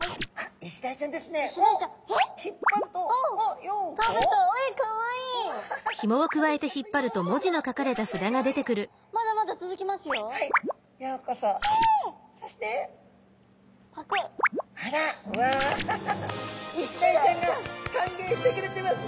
イシダイちゃんがかんげいしてくれてますね。